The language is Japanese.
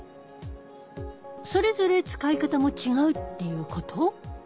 それぞれ使い方も違うっていうこと？